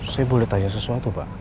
saya boleh tanya sesuatu pak